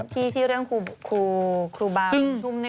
ที่เรื่องครูบาวชุมในกรณีประมาณนั้นคือ